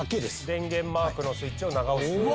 電源マークのスイッチを長押しする。